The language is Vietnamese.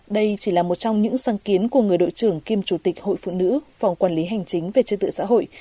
đây chỉ là một trong những sáng kiến của người đội trưởng kiêm chủ tịch hội phụ nữ phòng quản lý hành chính về trật tự xã hội